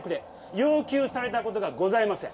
要求されたことがございません。